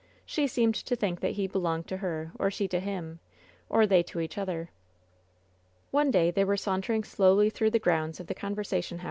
She seemed to think that he belonged to her, or she to him, or they to each other. One day they were sauntering slowly through the pounds of the Conversation Haus.